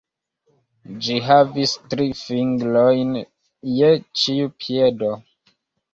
Ĝi havis tri fingrojn je ĉiu piedo.